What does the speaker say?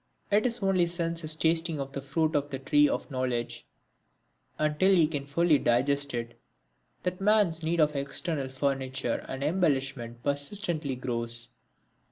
It is only since his tasting of the fruit of the tree of knowledge, and till he can fully digest it, that man's need for external furniture and embellishment persistently grows.